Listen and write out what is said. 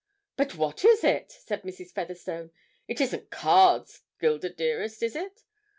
'But what is it?' said Mrs. Featherstone. 'It isn't cards, Gilda dearest, is it?'